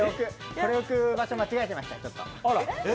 これ置く場所、間違えてました。